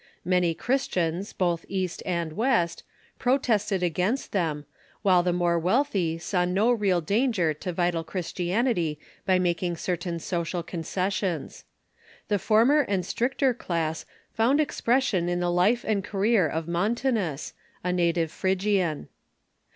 Many Christians, both East and West, protested against them, while the more Avealthy saw no real danger to vital Christian ity by making certain social concessions. The former and stricter class found expression in the life and career of Mon tanus, a native Phrygian.